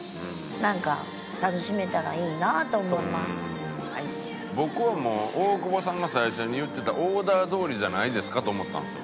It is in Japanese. ぜひ僕はもう大久保さんが最初に言ってたオーダーどおりじゃないですかと思ったんですよ。